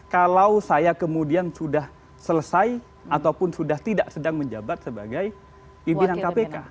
kalau saya kemudian sudah selesai ataupun sudah tidak sedang menjabat sebagai pimpinan kpk